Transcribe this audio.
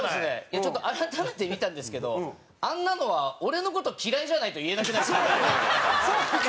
ちょっと改めて見たんですけどあんなのは俺の事、嫌いじゃないと言えなくないですか？